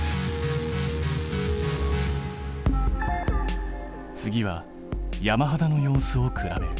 次は山肌の様子を比べる。